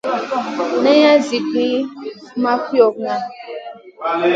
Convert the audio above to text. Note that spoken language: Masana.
Naŋay zi gu ma fiogŋa.